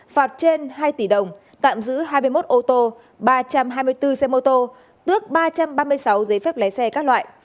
phạt trên hai tỷ đồng tạm giữ hai mươi một ô tô ba trăm hai mươi bốn xe mô tô tước ba trăm ba mươi sáu giấy phép lái xe các loại